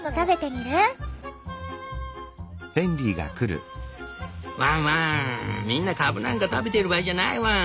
みんなカブなんか食べてる場合じゃないワン。